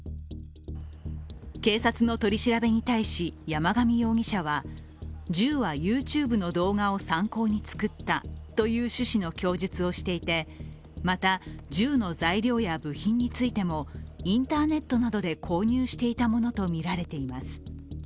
警察の取り調べに対し山上容疑者は銃はＹｏｕＴｕｂｅの動画を参考に作ったという趣旨の供述をしていてまた銃の材料や部品についても、インターネットなどで購入していたものとみられています。